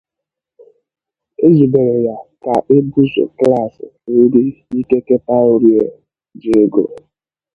Ezubere ya ka ebuso klaasị ndị ikekataorie ji ego.